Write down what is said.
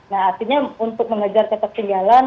nah artinya untuk mengejar cetak tinggalan